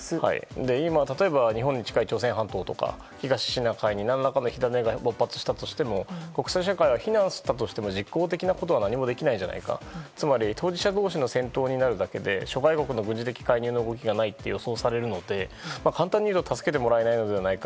例えば日本に近い朝鮮半島や東シナ海に火種が勃発したとしても国際社会は非難したとしても実効的なことは何もできないじゃないかつまり当事者同時の戦闘になるだけで諸外国の軍事的介入が予想されるので、簡単に言うと助けてもらえないのではないか。